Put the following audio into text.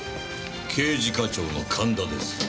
刑事課長の神田です。